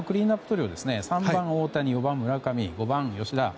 トリオ３番、大谷、４番、村上５番が吉田。